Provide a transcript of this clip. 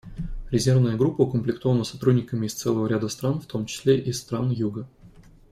Резервная группа укомплектована сотрудниками из целого ряда стран, в том числе из стран Юга.